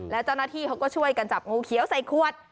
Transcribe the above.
แล้วเจ้าหน้าที่เขาก็ช่วยกันจับงูเขียวใส่ขวด